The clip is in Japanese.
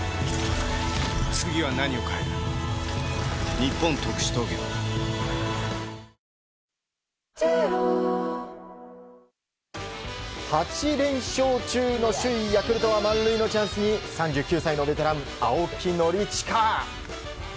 立ったそれが東京海上日動８連勝中の首位ヤクルトは満塁のチャンスに３９歳のベテラン、青木宣親。